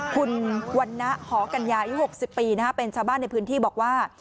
คุณวันนะหอกัญญาอายุ๖๐ปีเป็นชาวบ้านในพื้นที่บอกว่า